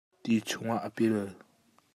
Ti chungah a pil.